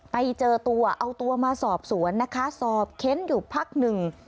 ไปเจอตัวเอาตัวมาสอบสวนนะคะสอบเค้นอยู่พักหนึ่ง